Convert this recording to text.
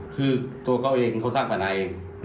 คือตัวเขาเองเขาสร้างปัญหาเอง